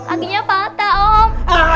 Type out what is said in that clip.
aginya patah om